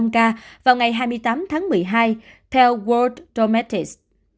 chín một trăm linh ca vào ngày hai mươi tám tháng một mươi hai theo world dometics